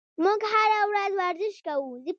موږ هره ورځ ورزش کوو.